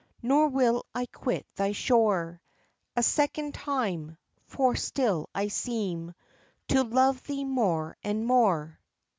Nor will I quit thy shore A second time; for still I seem To love thee more and more.